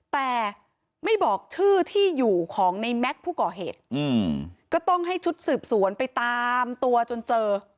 แต่ไม่บอกชื่อที่อยู่ของในแม็กซ์ผู้ก่อเหตุก็ต้องให้ชุดสืบสวนไปตามตัวจนเจอ